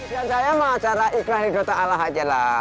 pertanyaan saya cara ikhlas di kota allah saja lah